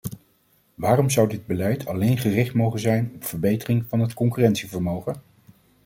Waarom zou dit beleid alleen gericht mogen zijn op verbetering van het concurrentievermogen?